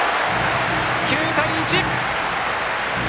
９対１！